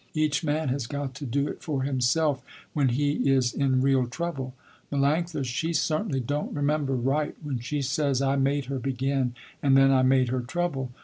Each man has got to do it for himself when he is in real trouble. Melanctha, she certainly don't remember right when she says I made her begin and then I made her trouble.